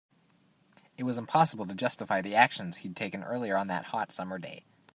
It was impossible to justify the actions he'd taken earlier on that hot, summer day.